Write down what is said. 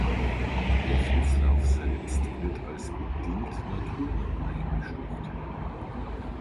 Der Flusslauf selbst wird als „bedingt naturnah“ eingestuft.